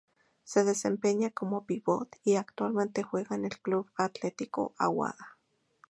Se desempeña como pívot y actualmente juega en el Club Atletico Aguada